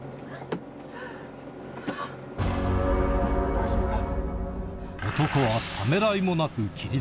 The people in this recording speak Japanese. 大丈夫か？